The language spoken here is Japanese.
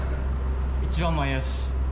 一番前やし。